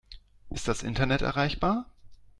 Ist das Internet erreichbar?